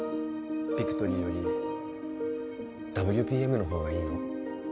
ビクトリーよりＷＰＭの方がいいの？